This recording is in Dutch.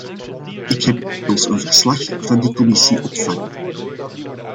Ik heb inmiddels een verslag van die commissie ontvangen.